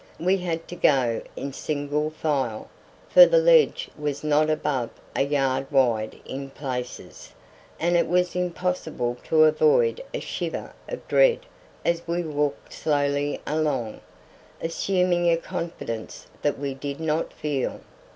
We had to go in single file, for the ledge was not above a yard wide in places, and it was impossible to avoid a shiver of dread as we walked slowly along, assuming a confidence that we did not feel.